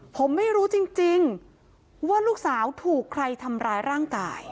ผมไม่รู้จริงว่าลูกสาวถูกใครทำร้ายร่างกาย